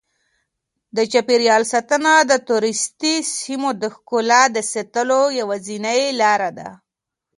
د چاپیریال ساتنه د توریستي سیمو د ښکلا د ساتلو یوازینۍ لاره ده.